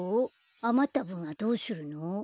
あまったぶんはどうするの？